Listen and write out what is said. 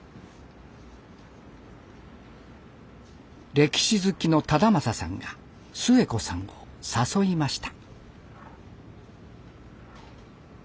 歴史好きの忠正さんがすゑ子さんを誘いました。